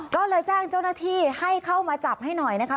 ก็เลยแจ้งเจ้าหน้าที่ให้เข้ามาจับให้หน่อยนะคะ